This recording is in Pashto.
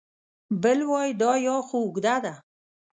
بل وای دا یا خو اوږده ده